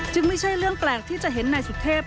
จึงไม่ใช่เรื่องแปลกที่จะเห็นในสุทธิพย์